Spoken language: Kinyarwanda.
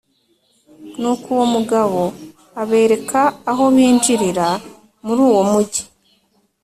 nuko uwo mugabo abereka aho binjirira muri uwo mugi;